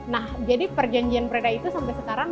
nah jadi perjanjian preda itu sampai sekarang